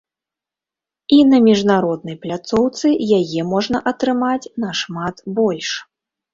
І на міжнароднай пляцоўцы яе можна атрымаць нашмат больш.